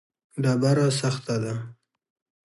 ډبره سخته ده.